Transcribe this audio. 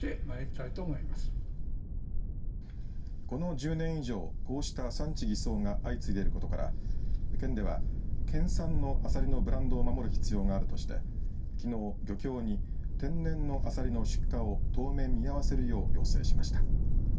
この１０年以上こうした産地偽装が相次いでいることから、県では県産のアサリのブランドを守る必要があるとしてきのう漁協に天然のアサリの出荷を当面見合わせるよう要請しました。